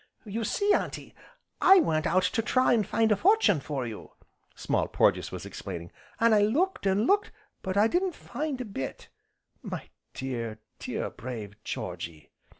"You see, Auntie, I went out to try an' find a fortune for you," Small Porges was explaining, "an' I looked, an' looked, but I didn't find a bit " "My dear, dear, brave Georgy!"